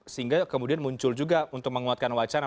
sehingga kemudian muncul juga untuk menguatkan wacana